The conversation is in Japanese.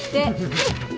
はい！